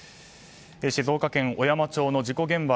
静岡県小山町の事故現場